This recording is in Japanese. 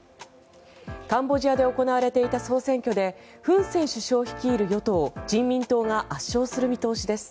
カンボジアで行われていた総選挙でフン・セン首相率いる与党・人民党が圧勝する見通しです。